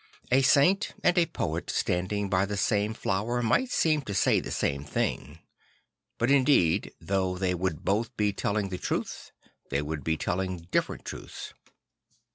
A saint and a poet standing by the same flower might seem to say the same thing; but indeed though they would both be telling the truth, they would be telling different truths.